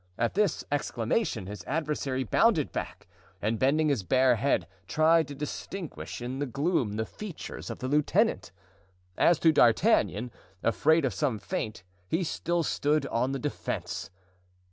At this exclamation his adversary bounded back and, bending his bare head, tried to distinguish in the gloom the features of the lieutenant. As to D'Artagnan, afraid of some feint, he still stood on the defensive.